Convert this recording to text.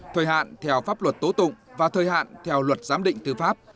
thời hạn theo pháp luật tố tụng và thời hạn theo luật giám định tư pháp